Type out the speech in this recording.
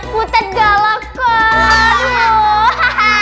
butet galak kan